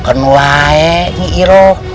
kenulah ye ngiroh